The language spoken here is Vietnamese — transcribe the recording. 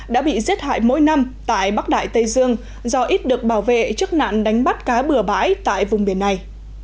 đã bị giết hại mỗi năm tại bắc đại tây dương do ít được bảo vệ trước nạn đánh bắt cá bừa bãi tại vùng biển này